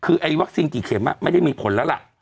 คือไอ้วัคซีนกี่เข็มไม่ได้มีผลแล้วล่ะ